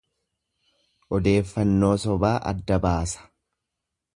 odeeffannoo sobaa adda baasa.